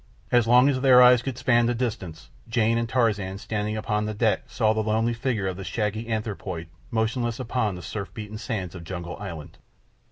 And as long as their eyes could span the distance, Jane and Tarzan, standing upon the deck, saw the lonely figure of the shaggy anthropoid motionless upon the surf beaten sands of Jungle Island.